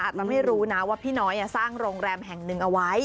อาจจะไม่รู้นะว่าพี่น้อยสร้างโรงแรมแห่งหนึ่งเอาไว้